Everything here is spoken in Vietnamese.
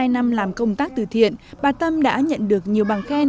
một mươi hai năm làm công tác từ thiện bà tâm đã nhận được nhiều bằng khen